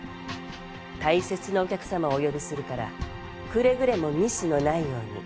大切なお客様をお呼びするからくれぐれもミスのないように。